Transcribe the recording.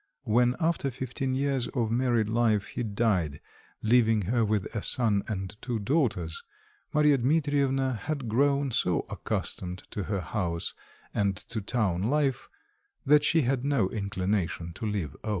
When after fifteen years of married life he died leaving her with a son and two daughters, Marya Dmitrievna had grown so accustomed to her house and to town life that she had no inclination to leave O